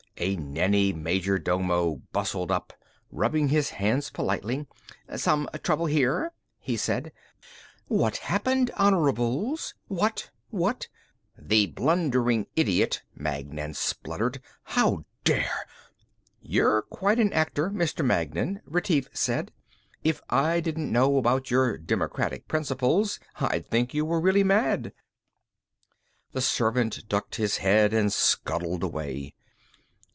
A Nenni major domo bustled up, rubbing his hands politely. "Some trouble here?" he said. "What happened, Honorables, what, what...." "The blundering idiot," Magnan spluttered. "How dare " "You're quite an actor, Mr. Magnan," Retief said. "If I didn't know about your democratic principles, I'd think you were really mad." The servant ducked his head and scuttled away.